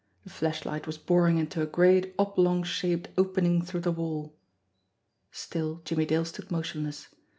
The flashlight was boring into a great oblong shaped opening through the wall. Still Jimmie Dale stood motionless.